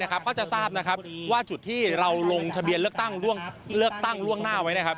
ก็จะทราบนะครับว่าจุดที่เราลงทะเบียนเลือกตั้งล่วงหน้าไว้นะครับ